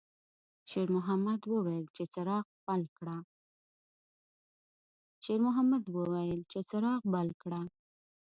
شېرمحمد وویل چې څراغ بل کړه.